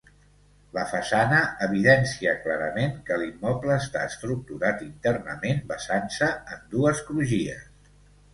La façana evidencia clarament que l'immoble està estructurat internament basant-se en dues crugies.